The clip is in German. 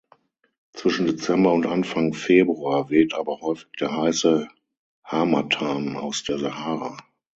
Zwischen Dezember und Anfang Februar weht aber häufig der heiße Harmattan aus der Sahara.